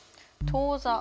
当座。